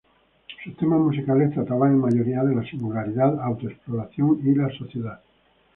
Sus temas musicales trataban en mayoría, de la singularidad, auto-exploración y la sociedad.